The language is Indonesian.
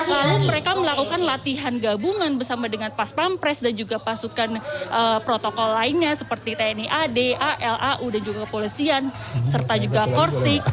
lalu mereka melakukan latihan gabungan bersama dengan pas pampres dan juga pasukan protokol lainnya seperti tni ad alau dan juga kepolisian serta juga korsik